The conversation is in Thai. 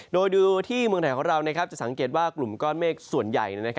โดยดูที่เมืองไทยของเราจะสังเกตว่ากลุ่มก้อนเมฆส่วนใหญ่